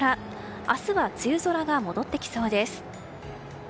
明日は梅雨空が戻ってきそうです。